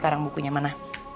sekarang bukunya mana